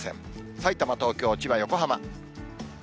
さいたま、東京、千葉、横浜。